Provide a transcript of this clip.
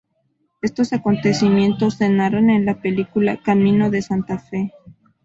Estos acontecimientos se narran en la película "Camino de Santa Fe".